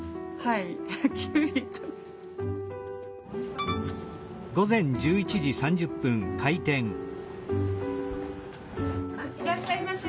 いらっしゃいませ。